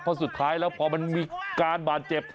เพราะสุดท้ายแล้วพอมันมีการบาดเจ็บ